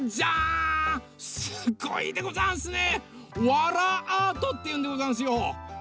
「わらアート」っていうんでござんすよ。